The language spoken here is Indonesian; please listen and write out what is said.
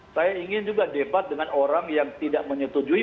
saya ingin juga debat dengan orang yang tidak menyetujui